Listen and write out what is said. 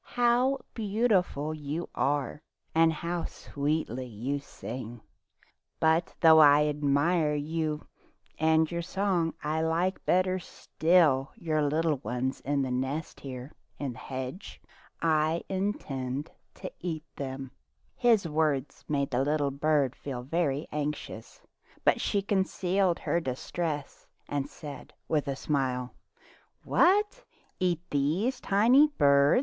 "How beautiful you are, and how sweetly you sing ! But though I admire you and your song, I like better still your young ones in the nest here in the hedge. I intend to eat them." His words made the little bird feel very anxious, but she concealed her distress and said with a smile :" What ! eat these tiny birds